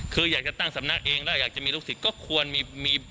คืออยากจะตั้งสำนักเองแล้วอยากจะมีลูกศิษย์ก็ควรมี